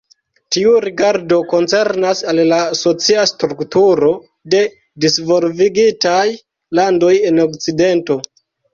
Tiu rigardo koncernas al la socia strukturo de disvolvigitaj landoj en Okcidento.